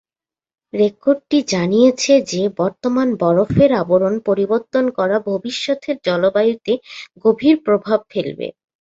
রেকর্ডটি জানিয়েছে যে বর্তমান বরফের আবরণ পরিবর্তন করা ভবিষ্যতের জলবায়ুতে গভীর প্রভাব ফেলবে।